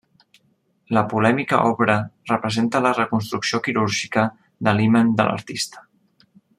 La polèmica obra representa la reconstrucció quirúrgica de l'himen de l'artista.